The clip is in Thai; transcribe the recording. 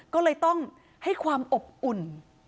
ก็เลยต้องให้ความอบอุ่น